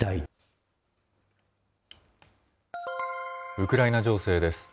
ウクライナ情勢です。